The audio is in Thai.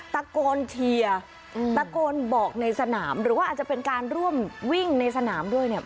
ตะโกนเชียร์ตะโกนบอกในสนามหรือว่าอาจจะเป็นการร่วมวิ่งในสนามด้วยเนี่ย